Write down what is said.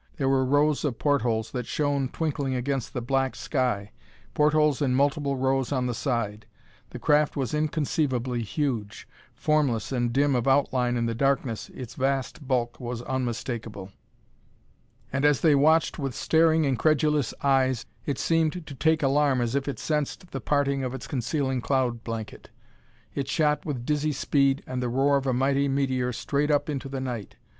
There were rows of portholes that shone twinkling against the black sky portholes in multiple rows on the side. The craft was inconceivably huge. Formless and dim of outline in the darkness, its vast bulk was unmistakable. And as they watched with staring, incredulous eyes, it seemed to take alarm as if it sensed the parting of its concealing cloud blanket. It shot with dizzy speed and the roar of a mighty meteor straight up into the night.